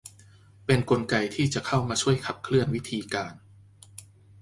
เป็นกลไกที่จะเข้ามาช่วยขับเคลื่อนวิธีการ